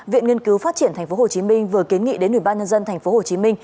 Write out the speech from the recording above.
viện nghiên cứu phát triển tp hcm vừa kiến nghị đến ubnd tp hcm